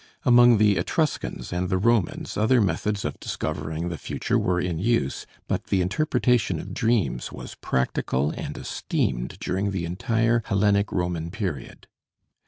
Among the Etruscans and the Romans other methods of discovering the future were in use, but the interpretation of dreams was practical and esteemed during the entire Hellenic Roman period.